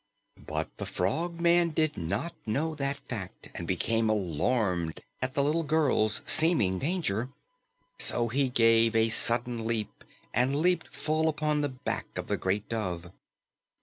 But the Frogman did not know that fact and became alarmed at the little girl's seeming danger. So he gave a sudden leap and leaped full upon the back of the great dove.